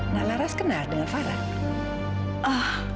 nak laras kenal dengan farah